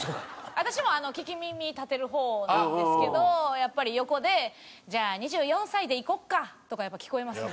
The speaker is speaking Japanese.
私も聞き耳立てる方なんですけどやっぱり横で「じゃあ２４歳でいこうか」とかやっぱ聞こえますね。